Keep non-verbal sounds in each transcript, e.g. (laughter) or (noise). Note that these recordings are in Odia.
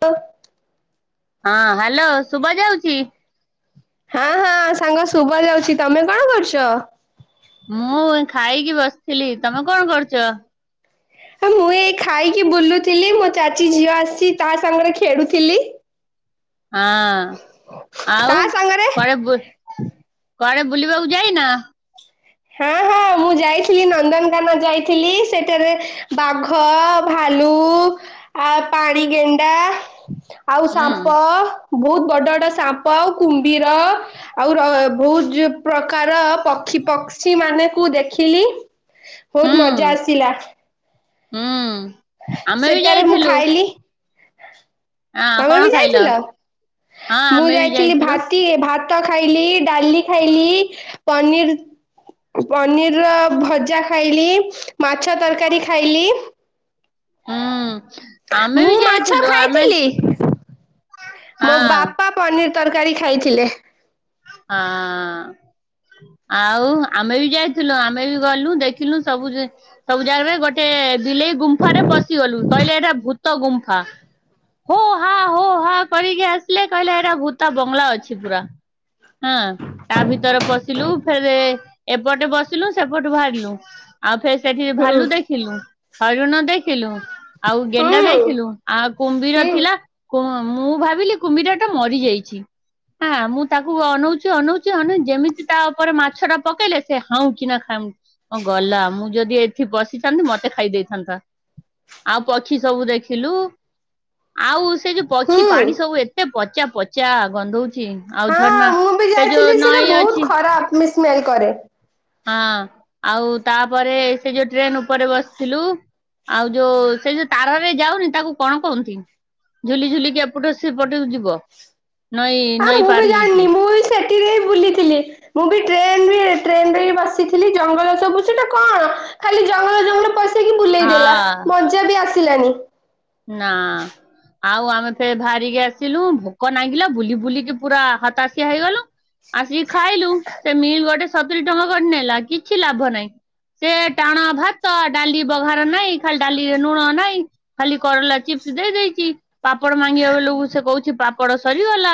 ତ ହଁ ହ୍ୟାଲୋ ଶୁଭ ଯାଉଛି। ହଁ ହଁ ସାଙ୍ଗ ଶୁଭା ଯାଉଛି ତମ କଣ କରୁଛ? ଛଅ ମୁଁ ଖାଇକି ବସିଥିଲି ତମେ କଣ କରୁଛ ମୁଁ ଏଇ ଖାଇକି ବୁଲୁଥିଲି ମୋ ଚାଚୀ ଝିଅ ଆସିଛି ତା ସାଙ୍ଗରେ ଖେଳୁଥିଲି। ହଁ ତା ଆଉ ସାଙ୍ଗରେ ପରେ କୁଆଡେ ବୁଲିବାକୁ ଯାଇନା ହଁ ହଁ ମୁଁ ଯାଇଥିଲି ନନ୍ଦନକାନ ଯାଇଥିଲି ସେଠାରେ ବାଘ ଭାଲୁ ଆ ପାଣି ଗେଣ୍ଡା ଆଉ ହୁଁ ସାପ ବହୁତ ବଡ ବଡ ସାପ ଆଉ କୁମ୍ଭୀର ଆଉ ବହୁତ ପ୍ରକାର ପକ୍ଷୀ ପକ୍ଷ ମାନେ କୁ ଦେଖିଲି। ହୁଁ ବହୁତ ମଜା ଆସିଲା ହୁଁ। ଆମେ ବି ସେଟାରେ ମୁଁ ଯାଇଥିଲୁ। ଖାଇଲି ହଁ ତମେ କଣ ବି ଖାଇଲ? ଯାଇଥିଲ ହଁ ମୁଁ ଆମେ ବି ଯାଇଥିଲି ଯାଇଥିଲୁ ଭତି ଭ ଟ ଖାଇଲି ଡାଲି ଖାଇଲି ପନିର ପନିର ର ଭଜା ଖାଇଲି ମାଛ ତରକାରୀ ଖାଇଲି। ହୁଁ। ଆମେ ମୁଁ ବି ମାଛ ଯାଇଥିଲୁ ଆମେ ଖାଇଥିଲି ହଁ ମୋ ହଁ। ବାପା ପନିର ତରକାରୀ ଖାଇଥିଲେ। ହଁ ଆଉ ଆମେ ବି ଯାଇଥିଲୁ ଆମେ ବି ଗଲୁ ଦେଖିଲୁ ସବୁ ସବୁ ଜାଗା ଗୋଟେ ଦିଲେଇ ଗୁମ୍ଫାରେ ପଶିଗଲୁ କହିଲେ ଏଇଟା ଭୂତ ଗୁମ୍ଫା ହୋ ହା ହୋ ହା କରିକି ଆସିଲେ କହିଲେ ଏଇଟା ଭୁତା ବଙ୍ଗଳା ଅଛି ପୁରା। ହଁ ତା ଭିତରେ ପଶିଲୁ ଫେରେ ଏପଟେ ବସିଲୁ ସେପଟୁ ବାହାରିଲୁ ଆଉ ଫେ ସେଠି ହୁଁ ଭାଲୁ ଦେଖିଲୁ। ହରିଣ ଦେଖିଲୁ। ଆଉ ଗେଣ୍ଡା ହୁଁ ଯାଇଥିଲୁ ଆ କୁମ୍ବିର ହୁଁ ଥିଲା ମୁଁ ଭାବିଲି କୁମ୍ଭୀର ଟା ମରିଯାଇଛି ହ ମୁଁ ତାକୁ ଅନଉଛି ଅନଉଛି ଅନ ଯେମିତି ତା ଉପରେ ମାଛ ଟା ପକେଇଲେ ସେ ହାଉଁ କି ନା ଖାଉନି ହଁ ଗଲା ମୁଁ ଯଦି ଏଠି ପଶିଥାନ୍ତି ମତେ ଖାଇ ଦେଇଥାନ୍ତା ଆଉ ପକ୍ଷୀ ସବୁ ଦେଖିଲୁ ଆଉ ଏ ଯୋଉ ପଛି ହୁଁ ପାଣି ସବୁ ଏତେ ପଚ ପଚା ପଚା ଗନ୍ଧଉଚି। ହଁ ମୁଁ ବି ଯାଇଥିଲି ସେଟା ଅଛି ବହୁତ ଖରାପ ମିସ୍ମେଲ। କରେ। ହଁ ଆଉ ତାପରେ ସେ ଯୋଉ ଟ୍ରେନ ଉପରେ ବସିଥିଲୁ ଆଉ ଯୋଉ ସେ ଯୋଉ ତାରରେ ଯାଉନି ତାକୁ କଣ କହୁନ୍ତି ଝୁଲି ଝୁଲିକି ଏପଟୁ ସେପଟୁ ଯିବ। ନଈ ନଈ ପାର ହେଇକି। ସେଥିରେ ବୁଲିଥିଲି ମୁଁ ବି ଟ୍ରେନ ଟ୍ରେନ ରେ ହି ବସିଥିଲି ଜଙ୍ଗଲ ସବୁ ସେଟା କଣ ଖାଲି ଜଙ୍ଗଲ ଜଙ୍ଗଲ ପ ଯାଇକି ବୁଲେଇ ଦେଲା ହଁ ମଜା ବି ଆସ ସିଲାନି। ନା ଆଉ ଆମେ ଫେରେ ବାହାରିକି ଆସିଲୁ ଭୋକ ନାଗିଲା ବୁଲି ବୁଲିକି ପୁରା ହାତାଶିଆ ହେଇଗଲୁ ଆସିକି ଖାଇଲୁ ସେ ମିଲ୍ ଗୋଟେ ସତୁରି ଟଙ୍କା କରି ନେଲା କିଛି ଲାଭ ନାହିଁ ସେ ଟାଣ ଭାତ ଡାଲି ବଘାର ନାଇଁ ଖାଲି ଡାଲିରେ ଲୁଣ ନାଇଁ। ଖାଲି କରଲା ଚିପ୍ସ ଦେଇ ଦେଇଛି। ପାପଡ ମଙ୍ଗିବା ବେଲକୁ ସେ କହୁଛି ପାପଡ଼ ସରିଗଲା।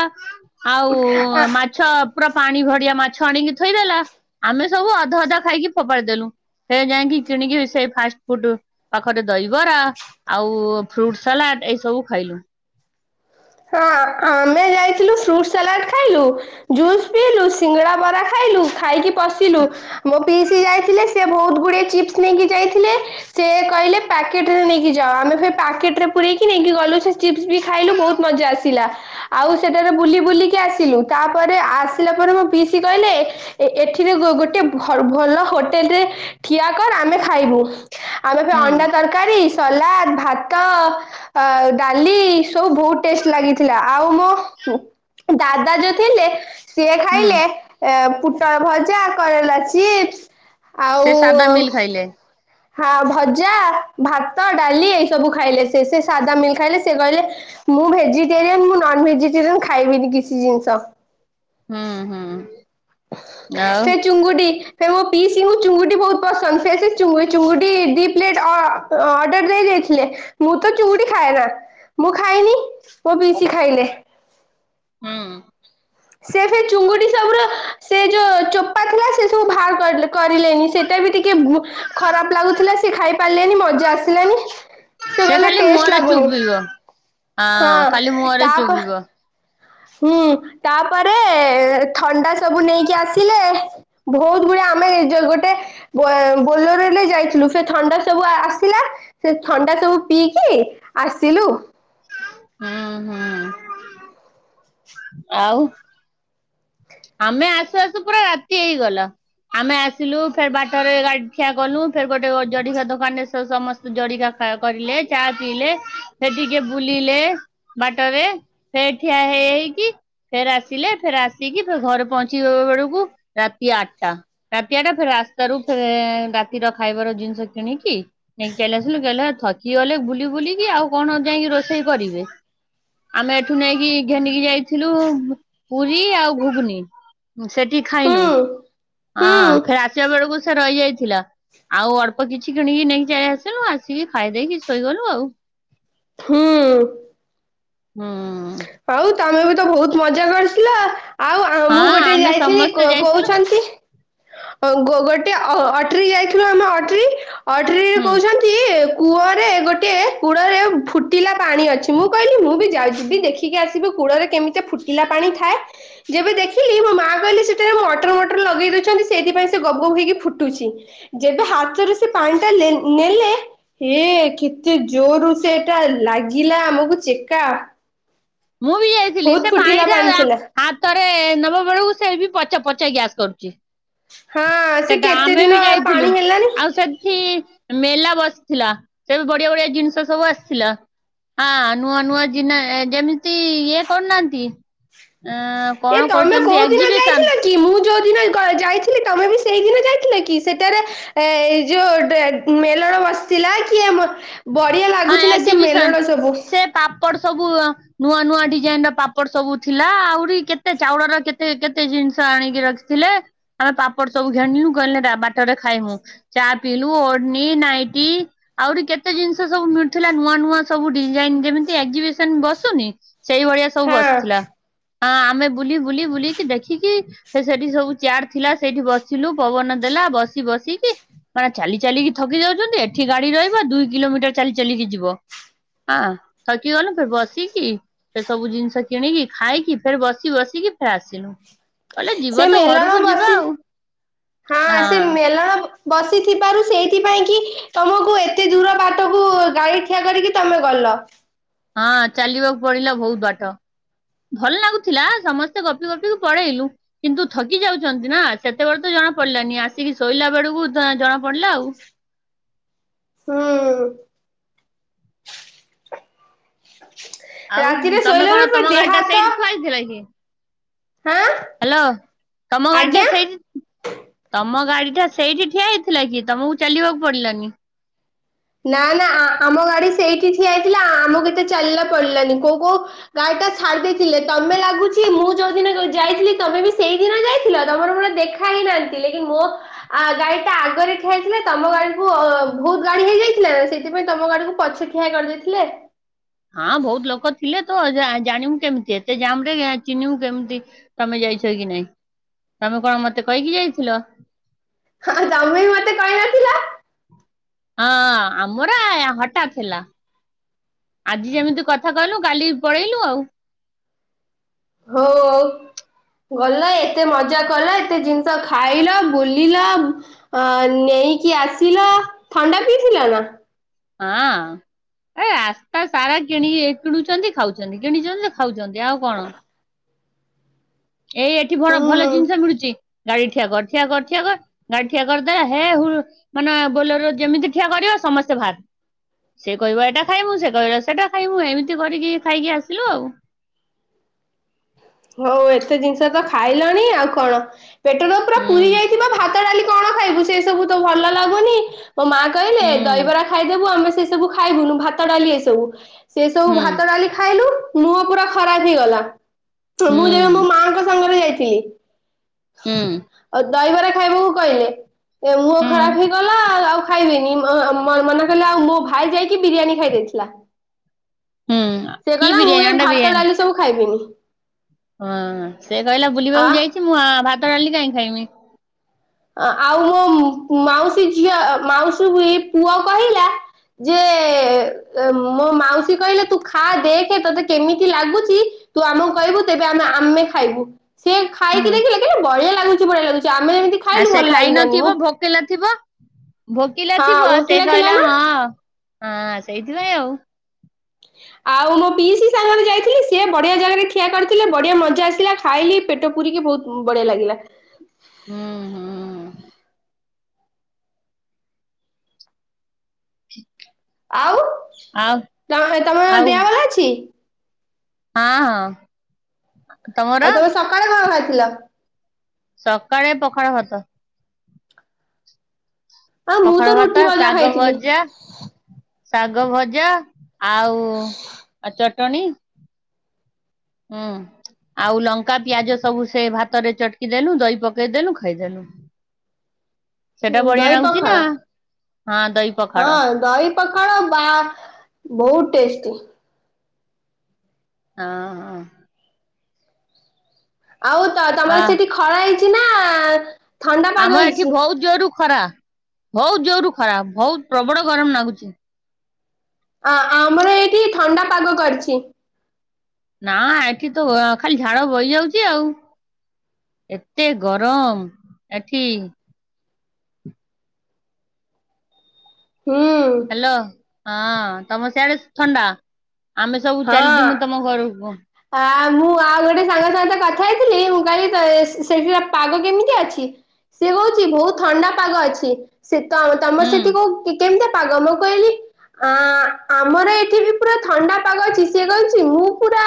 ଆଉ ଆ ମାଛ ପୁରା ପାଣି ଭର ଡିଆ ମାଛ ଆଣିକି ଥୋଇଦେଲା ଆମେ ସବୁ ଅଧ ଅଧା ଖାଇକି ଫୋପାଡ଼ି ଦେଲୁ ସେ ଯାଇକି କିଣିକି ସେଇ ଫାଷ୍ଟ ଫୁଡ ପାଖରେ ଦହିବରା ଆଉ ଫ୍ରୁଟ ସାଲାଡ ଏଇ ସବୁ ଖାଇଲୁ। ହଁ ଆମେ ଯାଇଥିଲୁ ଫ୍ରୁଟ ସାଲାଡ ଖାଇଲୁ ଜୁସ୍ ପିଇଲୁ ସିଙ୍ଗଡା ବରା ଖାଇଲୁ ଖାଇକି ବସିଲୁ ମୋ ପି ସି ଯାଇଥିଲେ ସେ ବହୁତ ଗୁଡେ ଚିପ୍ସ ନେଇକି ଯାଇଥିଲେ ସେ କହିଲେ ପ୍ୟାକେଟରେ ନେଇକି ଯାଅ ଆମେ ଫେ ପ୍ୟାକେଟ ରେ ପୁରେଇକି ନେଇକି ଗଲୁ ସେ ଚିପ୍ସ ବି ଖାଇଲୁ ବହୁତ ମଜା ଆସିଲା ଆଉ ସେଠାରେ ବୁଲି ବୁଲିକି ଆସିଲୁ ତାପରେ ଆସିଲା ପରେ ମୋ ପିସିି କହିଲେ ଏ ଏଠିରେ ଗ ଗୋଟେ ଭ-ଭଲ ହୋଟେଲ ରେ ଠିଆ କର ଆମେ ଖାଇବୁ। ଆଉ ଏବେ ହୁଁ ଅଣ୍ଡା ତରକାରୀ। ସଲାଦ ଭାତ ଅ ଡାଲି ସବୁ ବହୁତ ଟେଷ୍ଟ ଲାଗିଥିଲା ଆଉ। ଉ ହୁଁ। ଦାଦା ଯୋଉ ଥିଲେ। ସିଏ ହୁଁ ଖାଇଲେ ଏ ପୁଟଳ ଭଜା କରଲା ଚିପ୍ସ ସେ ଆଉ। ସାଧା ମିଲ୍ ଖାଇଲେ। ହଁ ଭଜା ଭାତ ଡାଲି ଏଇ ସବୁ ଖାଇଲେ ସେ ସେ ସାଧା ମିଲ୍ ଖାଇଲେ ସେ କହିଲେ ମୁଁ ଭେଜିଟେରିୟାନ ମୁଁ ନନ ଭେଜିଟେରିୟାନ ଖାଇବିନି କିଛି ଜିନିଷ। ହୁଁ ହୁଁ। ଆଉ ସେ ଚୁଙ୍ଗୁଡି। ସେ ମୋ ପିସୀ ଙ୍କୁ ଚିଙ୍ଗୁଡ଼ି ବହୁତ ପସନ୍ଦ ସେ ସେ ଚିଙ୍ଗୁଇ ଚିଙ୍ଗୁଡ଼ି ଦି ପ୍ଲେଟ୍ ଅ ଅର୍ଡର ଦେଇ ଦେଇଥିଲେ ମୁଁ ତ ଚୁଙ୍ଗୁଡି ଖାଏନା ମୁଁ ଖାଇନି ମୋ ପିସି ଖାଇଲେ। ହୁଁ। ସେ ସେ ଚୁଙ୍ଗୁଡି ସବୁ ର ସେ ଯୋଉ ଚୋପା ଥିଲା ସେ ସବୁ ବାହାର କରଲ କରିଲେନି ସେଇଟା ବି ଟିକ କେ ବୁ ଖରାପ ଲାଗୁଥିଲା ସେ ଖାଇପାରିଲେନି ମଜା ଆସିଲାନି ସେ କହିଲେ ଗଲେ ଖାଲି ଟେଷ୍ଟ ମୁହଁରେ ଲାଗୁନି ଚୋବେଇବ। ହଁ ଖାଲି ମୁହଁରେ ତାପ ଚୋବେଇବ। ହୁଁ ତାପରେ। ଥଣ୍ଡା ସବୁ ନେଇକି ଆସିଲେ। ବହୁତ ଭୁଳିଆ ଆମେଉ ଗୋଟେ ବୋଲେରୋରେ ଯାଇଥିଲୁ ସେ ଥଣ୍ଡା ସବୁ ଆସିଲା ସେ ଥଣ୍ଡା ସବୁ ପିଇକି ଆସିଲୁ। ହଁ ହୁଁ। ଆଉ। ଆମେ ଆସୁ ଆସୁ ପୁରା ରାତି ହେଇଗଲ ଆମେ ଆସିଲୁ ଫେର ବାଟରେ ଗାଡି ଠିଆ କଲୁ ଫେର ଗୋଟେ ଜଡିକା ଦୋକାନ ରେ ସମସ୍ତେ ଜଡିକା କରିଲେ ଚା ପିଇଲେ ଫ ଟିକେ ବୁଲିଲେ ବାଟରେ ଫେର ଠିଆ ହେଇ ହେଇକି ଫେର ଆସିଲେ ଫେର ଆସିକି। ଘରେ ପହଞ୍ଚି ବେଳକୁ ରାତି ଆଠଟା ରାତି ଆଠଟା ଫ ରାସ୍ତାରୁ ରାତିର ଖାଇବାର ଜିନିଷ କିଣିକି ନେଇକି ଚାଲି ଆସିଲୁ କହିଲେ ଥକି ଗଲେ ବୁଲି ବୁଲିକି ଆଉ କଣ ଯାଇକି ରୋଷେଇ କରିବେ ଆମେ ଏଠୁ ନେଇକି ଘେନିକି ଯାଇଥିଲୁ ପୁରୀ ଆଉ ଘୁଗନି। ସେଠି ହୁଁ ଖାଇଲୁ ହୁଁ ହଁ ଫରେ ଆସିବା ବେଳକୁ ସେ ରହିଯାଇ ଥିଲା ଆଉ ଅଳ୍ପ କିଛି କିଣିକି ନେଇକି ଚାଇ ଆସିଲୁ ଆସିକି ଖାଇଦେଇକି ଶୋଇଗଲୁ ଆଉ। ହଁ। ଆଉ ତମେ। ତ ବହୁତ ମଜା କରିଥିଲ। ଆଉ ମୁଁ ହଁ ଗୋଟେ ଆମେ ଯାଇଥିଲି ସମସ୍ତେ ଯାଇଥିଲୁ। କହୁଛନ୍ତି ଗୋଟେ ଅଟ୍ରି ଯାଇଥିଲୁ ଆମେ ଅଟ୍ରି। ଅଟ୍ରିରେ ହୁଁ କହୁଛନ୍ତି କୂଅରେ ଗୋଟେ କୂଳରେ ଫୁଟିଲା ପାଣି ଅଛି ମୁଁ କହିଲି ମୁଁ ବି ଯାଉଛି ବି ଦେଖିକି ଆସିବୁ କୂଳରେ କେମିତି ଫୁଟିଲା ପାଣି ଥାଏ ଯେବେ ଦେଖିଲି ମୋ ମା କହିଲି ସେଟାରେ ମଟର ମଟର ଲଗେଇ ଦଉଛନ୍ତି ସେଇଥିପାଇଁ ସେ ଗବ ଗବ ହେଇକି ଫୁଟୁଛି ଯେବେ ହାତରେ ସେ ପାଣି ଟା ଲା ନେଲେ ହେ କେତେ ଜୋରରୁ ସେଟା ଲାଗିଲା ଆମକୁ ଚେକା। ମୁଁ ବି ଯାଇଥିଲି ସେ ବହୁତ ଫୁଟିଲା ପାଣିଟା ପାଣି ଥିଲା ହାତରେ ନବା ବେଳକୁ ସେ ବି ପଛା ପଛା ଗ୍ୟାସ କରୁଛି। (inaudible) ସେ ସେଟା କେତେ ଆମେ ବି ଦିନ ଯାଇଥିଲୁ ପାଣି ହେଲାନି ଆଉ ସେଠି ମେଲା ବସିଥିଲା ସେ ବଢିଆ ବଢିଆ ଜିନିଷ ସବୁ ଆସିଥିଲା ହଁ ନୂଆ ନୂଆ ଜିନ ଯେମିତି ଇଏ କରୁନାହାନ୍ତି। ଅ ଏ କଣ ତମେ କରୁଛନ୍ତି କୋଉ ଦିନ ଏକ୍ଜିବିସନ ଯାଇଥିଲା କି ମୁଁ ଯୋଉ ଦିନ ଯାଇଥିଲେ ତମେ ବି ସେଇଦିନ ଯାଇଥିଲ କି ସେଠାରେ ଏ ଯୋଉ ମେଲଣ ବସିଥିଲା କି ଆ ହଁ ଏକ୍ଜିବିସନ ସେ ପାପଡ ସବୁ ନୂଆ ନୂଆ ଡିଜାଇନ ର ପାପଡ଼ ସବୁ ଥିଲା ଆହୁରି କେତେ ଚାଉଳର କେତେ କେତେ ଜିନିଷ ଆଣିକି ରଖିଥିଲେ ଆମେ ପାପଡ଼ ସବୁ ଘେଣିଲୁ କହିଲେ ବାଟରେ ଖାଇମୁ ଚା ପିଇଲୁ ଓଡ଼ନୀ ନାଇଟି ଆହୁରି କେତେ ତେ ଜିନିଷ ସବୁ ମିଳୁଥିଲା ନୂଆ ନୂଆ ସବୁ ଡିଜାଇନ ଯେମିତି ଏକ୍ଜିବିସନ ବସୁନି? ସେଇଭଳିଆ ସବୁ ହଁ ବସିଥିଲା। ଆଁ ଆମେ ବୁଲି ବୁଲି ବୁଲିକି ଦେଖିକି ସେ ସେଠି ସବୁ ଚେୟାର ଥିଲା ସେଇଠି ବସିଲୁ ପବନ ଦେଲା ବସି ବସିକି ମାନେ ଚାଲି ଚାଲିକି ଥକି ଯାଉଚନ୍ତି ଏଠି ଗାଡି ରହିବ ଦୁଇ କିଲୋମିଟର ଚାଲି ଚାଲିକି ଯିବ ଆଁ ଥକି ଗଲୁ ଫେରେ ବସିକି ସେ ସବୁ ଜିନିଷ କିଣିକି ଖାଇକି ଫେରେ ବସି ବସିକି ଫର ଆସିଲୁ। କହିଲେ ସେ ଯିବ ତ ମେଲଣ ଘରକୁ ଯିବା ବସି ଆଉ ହଁ ସେ ମେଲଣ ବସିଥିବାରୁ ସେଇଥି ପାଇଁ କି ତମକୁ ଏତେ ଦୂର ବାଟକୁ ଗାଡି ଠିଆ କରିକି ତମେ ଗଲ। ହଁ ଚାଲିବାକୁ ପଡିଲା ବହୁତ ବାଟ ଭଲ ଲାଗୁଥିଲା ସମସ୍ତେ ଗପି ଗପି କି ପଳେଇଲୁ କିନ୍ତୁ ଥକି ଯାଉଚନ୍ତି ନା ସେତେବେଳେ ତ ଜଣା ପଡିଲାନି ଆସିକି ଶୋଇଲା ବେଳକୁ ଯାହା ଜଣା ପଡିଲା ଆଉ। ହୁଁ। ଆଉ ରାତିରେ ତମେ ଶୋଇଲା କଣ ବେଳେ ପୁରା ତମ ଗାଡି ଦେହ ଟା ହାତ ସେଇଠି ଥୁଆ ହେଇଥିଲା କି? ହଁ ହ୍ୟାଲୋ ତମ ଗାଡି ଟା ଆଜ୍ଞା ସେଇଠି ତମ ଗାଡି ଟା ସେଇଠି ଠିଆ ହେଇଥିଲା କି ତମକୁ ଚାଲିବାକୁ ପଡିଲାନି? ନା ନା ଆ ଆମ ଗାଡି ସେଇଠି ଠିଆହେଇଥିଲା ଆ ଆମକୁ ଏତେ ଚାଲା ପଲଲାନି କୋଉ କୋଉ ଗାଡି ଟା ଛାଡି ଦେଇଥିଲେ ତମେ ଲାଗୁଛି ମୁଁ ଯୋଉଦିନ ଯାଇଥିଲି ତମେ ବି ସେଇ ଦିନ ଯାଇଥିଲ ତମର ମୋର ଦେଖା ହେଇ ନାହାନ୍ତି ଲକ ମୋ ଗାଡି ଟା ଆଗରେ ଠିଆଇଥିଲା ତମ ଗାଡିକୁୁ ବହୁତ ଗାଡି ହେଇଯାଇ ଲା ସେଥିପାଇଁ ତମ ଗାଡିକୁ ପଛ ଠିଆ କରିଦେଇଥିଲେ। ହାଁ ବହୁତ ଲୋକ ଥିଲେ ତ ଜା ଜାଣିବୁ କେମିତି ଏତେ ଜାମ ରେ ଚିହ୍ନିବୁ କେମିତି ତମେ ଯାଇଚ କି ନାଇଁ ତମେ କଣ ମତେ କହିକି ଯାଇଥିଲ? ହଁ ତମେ ବି ମତେ କହିନଥିଲ। ହଁ ଆମର‌ ଏ ହଠାତ୍ ଥିଲା ଆଜି ଯେମିତି କଥା କହିଲୁ କାଲି ପଳେଇଲୁ ଆଉ। ହଉ ଓ ଗଲ ଏତେ ମଜା କଲ ଏତେ ଜିନିଷ ଖାଇଲ ବୁଲିଲ ଅ ନେଇକି ଆସିଲ ଥଣ୍ଡା ପିଇଥିଲ ନା? ହଁ ଏ ରାସ୍ତା ସାରା କିଣି କିଣୁଚନ୍ତି ଖାଉଚନ୍ତି କିଣିଚନ୍ତି ଖାଉଚନ୍ତି ଆଉ କଣ। ଏଇ ଏଠି କଣ ଭଲ ହୁଁ ଜିନିଷ ମିଳୁଚି। ଗାଡି ଠିଆ କର, ଠିଆ କର, ଠିଆ କର ଗାଡି ଠିଆ କରିଦେଲେ। ହେ ହୁଳ ମାନେ ବୋଲେରୁ ଯେମିତି ଠିଆ କରିବ ସମସ୍ତେ ଭାରିବେ ସେ କହିବ ଏଟା ଖାଇବୁ ସେ କହିଲା ସେଟା ଖାଇବୁ ଏମିତି କରିକି ଖାଇକି ଆସିଲୁ ଆଉ। ହଉ ଏତେ ଜିନିଷ ତ ଖାଇଲଣି ଆଉ କଣ? ପେଟର ପୁରା ହୁଁ ପୁରୀ ଯାଇଥିବ। ଭାତ, ଡାଲି କଣ? ଖାଇବୁ ସେ ସବୁ ତ ଭଲ ଲାଗୁନି। ମୋ ମା କହିଲେ ହୁଁ ଦହିବରା ଖାଇଦେବୁ ଆମେ ସେ ସବୁ ଖାଇବୁନୁ ଭାତ ଡାଲି ଏ ସବୁ। ସେ ସବୁ ହୁଁ ଭାତ ଡାଲି ଖାଇଲୁ। ମୁହଁ ପୁରା ଖରାପ ହେଇଗଲା। ହୁଁ। ପି ଉଁ ଦହିବରା ଖାଇବାକୁ କହିଲେ। ଏ ମୁହଁ ହୁଁ ଖରାପ ହେଇଗଲା ଆ ଆଉ ଖାଇବିନି ମାମ ମ ମନା କଲେ ଆଉ ମୋ ଭାଇ ଯାଇ କି ବିରିୟାନୀ ଖାଇ ଦେଇେଥିଲା। ହୁଁ ସେ କି କହିଲା ମୁଁ ବିରିୟାନୀ ଏ ଅଣ୍ଡା ଭାତ ବିରିୟାନୀ ଡାଲି ସବୁ ଖାଇବିନି। (inaudible) ହଁ। ସେ କହିଲା ବୁଲିବାକୁ ଆ ଯାଇଛି। ମୁଁ ଅ ଭା ତଲି କାଇଁ ଖାଇଁନି? ଆ ଆଉ ମୋ ମୁଁ ମୁଁ ମାଉସୀ ଝିଅ ଏ ମାଉସୀ ପୁଅ କହିଲା ଯେ ମୋ ମାଉସୀ କହିଲୋ ତୁ ଖା ଦେଖେ ତତେ କେମିତି ଲାଗୁଛି ତୁ ଆମକୁ କହିବୁ ତେବେ ଆମେ ଆମେ ଖାଇବୁ। ସେ ଖାଇକି ଦେଖିଲେ କିଲେ ବଢଆ ବଢିଆ ଲାଗୁଛି ବଢିଆ ଲାଗୁଛି ଆମେ ଯେମିତି ଆ ଖାଇଲୁ ସେ ଭଲ ଖାଇ ଲାଗିଲାନି ମୁଁ ନଥିବ ଭୋକେଲା ଥିବ। ଭୋକିଲା ହଁ ଥିବ ସେ ଭୋକିଲା କହିଲା ଥିଲା ନା ହଁ। ହଁ ସେଇଥିପାଇଁ ଆଉ। ଆଉ ମୋ ପିଇ ସି ସାଙ୍ଗରେ ଯାଇଥିଲି ସେିଏ ବଢିଆ ଜାଗାରେ ଖିଆ କରିଥିଲେ। ବଢିଆ ମଜା ଆସିଲା ଖାଇଲି ପେଟ ପୁରିକି ବହୁତ୍ ଉଁ ବଢିଆ ଲାଗିଲା। ଉଁ ହୁଁ। (unintelligible) ଆଉ ଆଉ ତମେ ତମର ଆଉ ଦେହ ବଲ ଅଛି? ହଁ ହଁ। ତମର ଆଉ ତମେ ସକାଳ କଣ ଖାଇ ଆଲ। ସକାଳେ ପଖାଳଭାତ। ଆଁ ମୁଁ ପଖାଳ ତ ଭାତ ରୁଟି ଭଜା ଶାଗ ଖାଇଥିଲି। ଭଜା ଶାଗ ଭଜା। ଆଉ ଅଚଟ୍। ଟଣି। ହୁଁ ଆଉ ଲଙ୍କା ପିଆଜ ସବୁ ସେ ଭାତରେ ଚଟକି ଦେଲୁ ଦହି ପକେଇଦେଲୁ ଖାଇଦେଲୁ। ସେଟା ବଢିଆ ଦହି ହେଉଛି ନା। ପଖାଳ। ହଁ ଦହି ପଖାଳ ହଁ ଦହି ପଖାଳ ବା ବହୁତ ଟେଷ୍ଟି। ହଁ ହଁ। ଆଉ ତ ଆ ତମର ସେଠି ଖରା ହେଇଛି? ନା ଥଣ୍ଡା ପାଗ ଆମ ଏଠି ହେଇଛି? ବହୁତ ଜୋରୁ ଖରା ବହୁତ ଜୋରୁ ଖରା ବହୁତ ପ୍ରବଳ ଗରମ ଲାଗୁଛି। ଆ ଆମର ଏଇଠି ଥଣ୍ଡା ପାଗ କରିଛି। ନା ଏଠି ତ ଖାଲି ଝାଳ ବହିଯାଉଛି ଆଉ ଏତେ ଗରମ ଏଠି। ହୁଁ ହାଲୋ। ହଁ ତମ ସିଆଡେ ଥଣ୍ଡା। ଆମେ ସବୁ ହଁ ଚାଲିଯିବୁ ତମ ଘରକୁ। ଆ ମୁଁ ଆଉ ଗୋଟେ ସାଙ୍ଗ ସହିତ କଥା ହେଇଥିଲି ମୁଁ କହିଲି ତ ସେଠିକା ପାଗ କେମିତି ଅଛି ସେ କହୁଛି ବହୁତ ଥଣ୍ଡା ପାଗ ଅଛି। ସେ ତ ତମ ହୁଁ ସେଠି କ କେମିତିକା ପାଗ। ପାଗ ମୁଁ କହିଲି ଆ ଆମର ଏଠି ବି ପୁରା ଥଣ୍ଡା ପାଗ ଅଛି ସିଏ କଛି ମୁଁ ପୁରା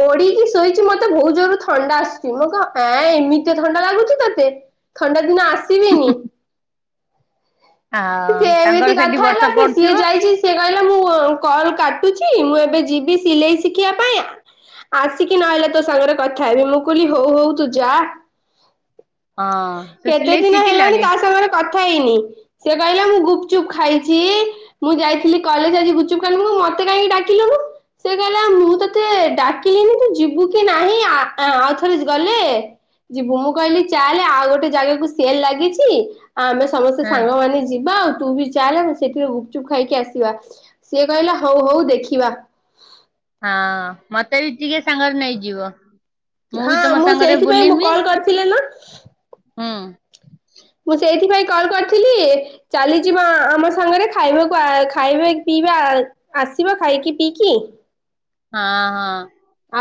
ଘୋଡ଼ିକି ଶୋଇଛି ମତେ ବହୁତ ଜୋରରେ ଥଣ୍ଡା ଆସୁଛି ମୁଁ କହ ଏଁ ଏମିତି ଥଣ୍ଡା ଲାଗୁଛି ତତେ ଥଣ୍ଡା ଦିନ ଆ ଆସିବିନି। ଆଉ ସେ ତାଙ୍କର ଏମିତି ସେଠି କଥା ହେଲା ବର୍ଷା ସେ ସିଏ ପଡୁଥିବ ଯାଇଛି ସେ କହ ମୁଁ କଲ କାଟୁଛି ମୁଁ ଏବେ ଯିବି ସିଲେଇ ଶିଖିବା ପାଇଁ ଆସିକି ନହେଲେ ତୋ ସାଙ୍ଗରେ କଥା ହେବି ମୁଁ କହିଁଲି ହଉ ହଉ ତୁ ଯା। ହଁ ସେ କେତେ ସିଲେଇ ଦିନ ହେଲାଣି ଶିଖିଲାଣି। ତା ସାଙ୍ଗରେ କଥା ହେଇନି ସେ କହିଲା ମୁଁ ଗୁପଚୁପ ଖାଇଛି ମୁଁ ଯାଇଥିଲି କଲେ ଆଜି ଗୁପଚୁପ ଖାଇ ମତେ କାହିଁକି ଡାକିଲୁନୁ ସେ କହିଲା ମୁଁ। ତୋତେ ଡାକିଲିନି ତୁ ଯିବୁ କି ନାହିଁ ଆଁ ଆଉ ଥରେ ଗଲେ ଯିବୁ ମୁଁ କହିଲି ଚାଲେ ଆଉ ଗୋଟେ ଜାଗାକୁ ସେଲ ଲାଗିଛି। ଆ ଆମେ ସମସ୍ତେ ହଁ ସାଙ୍ଗମାନେ ଯିବା। ତୁ ବି ଚାଲେ ସେଥିରେ ଗୁପଚୁପ୍ ଖାଇକି ଆସିବା ସିଏ କହିଲା ହଉ ହଉ ଦେଖିବା। ହଁ ମତେ ବି ଟିକେ ସାଙ୍ଗରେ ନେଇଯିବ। ହଁ ବି ତମ ମୁଁ ସାଙ୍ଗରେ ସେଇଥିପାଇଁ ବୁଲିମି। କଲ୍ କରିଥିଲି ନା। ହୁଁ ମୁଁ ସେଇଥିପାଇଁ କଲ୍ କରିଥିଲି ଚାଲିଯିବ ଆମ ସାଙ୍ଗରେ ଖାଇବାକୁ ଖାଇବା ପିଇବା ଆସିବା ଖାଇକି ପିଇକି ହଁ ହଁ।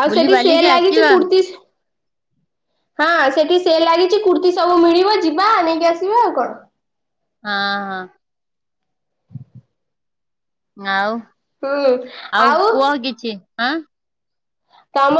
ଆଉ ବୁଲି ସେଠି ସେଲ୍ ବାଲିକି ଲାଗିଛି ଆସିବା କୁର୍ତ୍ତିୀ। ହଁ ସେଠି ସେଲ୍ ଲାଗିଛି କୃତ୍ତି ସବୁ ମିଳିବ ଯିବା ନେଇକି ଆସିବା ଆଉ କଣ? ହଁ ହଁ। ଆଉ ହୁଁ ଆଉ କୁହ କିଛି ଆଁ କାମ